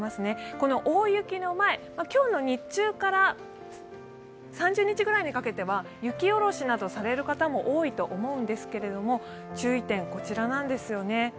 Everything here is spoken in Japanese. この大雪の前、今日の日中から３０日ぐらいにかけては雪下ろしなどされる方も多いと思うんですけれども注意点、こちらなんですよね。